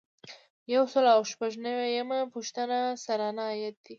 یو سل او شپږ نوي یمه پوښتنه سرانه عاید دی.